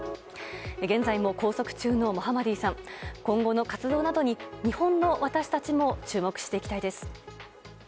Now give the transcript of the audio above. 現在も拘束中のモハマディさん今後の活動などに日本の私たちも注目していきたいです。